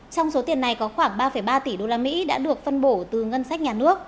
trong số tiền này có khoảng ba ba tỷ đô la mỹ đã được phân bổ từ ngân sách nhà nước